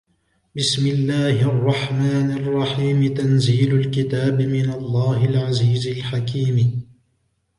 بِسْمِ اللَّهِ الرَّحْمَنِ الرَّحِيمِ تَنْزِيلُ الْكِتَابِ مِنَ اللَّهِ الْعَزِيزِ الْحَكِيمِ